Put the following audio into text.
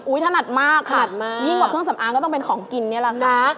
ถนัดมากถนัดมากยิ่งกว่าเครื่องสำอางก็ต้องเป็นของกินนี่แหละค่ะ